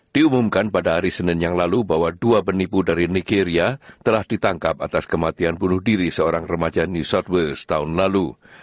diumumkan pada hari senin yang lalu bahwa dua penipu dari nigeria telah ditangkap atas kematian bunuh diri seorang remaja new south wales tahun lalu